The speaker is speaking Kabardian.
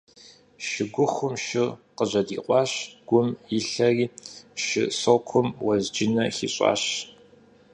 Шыгухум шыр къыжьэдикъуащ, гум елъэри, шы сокум уэзджынэ хищӏащ.